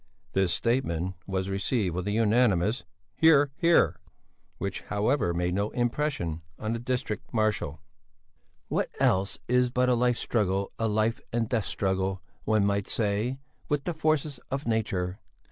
This statement was received with a unanimous "Hear! hear!" which, however, made no impression on the district marshal. "What else is life but a struggle, a life and death struggle, one might say, with the forces of Nature!